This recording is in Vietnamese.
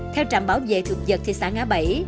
theo trạm bảo vệ thực vật thị xã ngã bảy